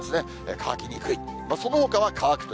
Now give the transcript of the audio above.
乾きにくい。